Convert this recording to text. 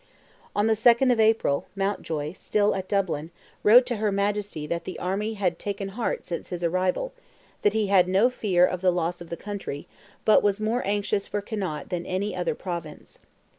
On the 2nd of April, Mountjoy, still at Dublin, wrote to her Majesty that the army had taken heart since his arrival, that he had no fear of the loss of the country, but was more anxious for Connaught than any other Province.